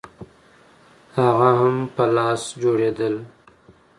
هغه هم په لاس جوړېدل